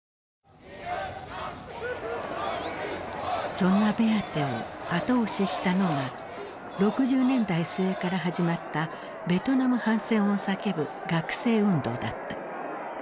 そんなベアテを後押ししたのが６０年代末から始まったベトナム反戦を叫ぶ学生運動だった。